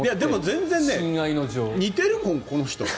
全然似てるもん、この人。